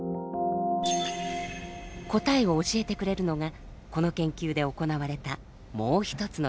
答えを教えてくれるのがこの研究で行われたもうひとつの実験。